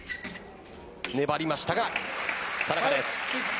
粘りましたが田中です。